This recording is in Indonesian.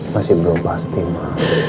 masih belum pasti ma